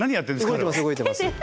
動いてます動いてます。